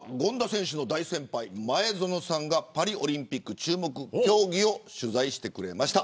さあ続いては権田選手の大先輩前園さんがパリオリンピック注目競技を取材してくれました。